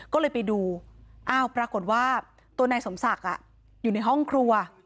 ก็เลยไปดูอ้าวปรากฏว่าตัวนายสมศักดิ์อยู่ในห้องครัว